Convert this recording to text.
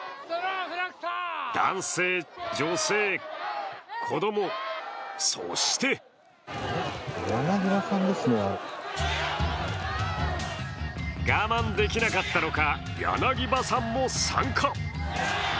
男性、女性、子供、そして我慢できなかったのか、柳葉さんも参加。